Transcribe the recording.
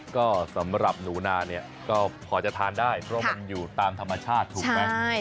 ก็สำหรับหนูนาเนี่ยก็พอจะทานได้เพราะมันอยู่ตามธรรมชาติถูกไหม